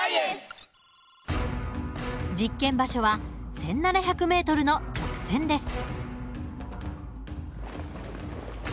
実験場所は１，７００ｍの直線です。